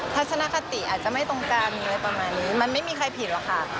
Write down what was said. ทัศนคติอาจจะไม่ตรงกันอะไรประมาณนี้มันไม่มีใครผิดหรอกค่ะ